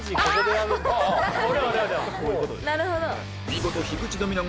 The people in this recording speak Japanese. なるほど。